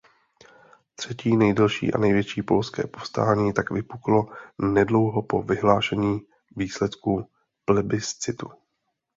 Třetí nejdelší a největší polské povstání tak vypuklo nedlouho po vyhlášení výsledků plebiscitu.